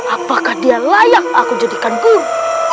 apakah dia layak aku jadikan guru